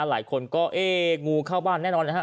หลายคนก็เอ๊ะงูเข้าบ้านแน่นอนนะฮะ